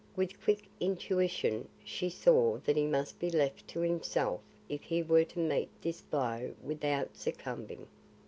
With quick intuition she saw that he must be left to himself if he were to meet this blow without succumbing.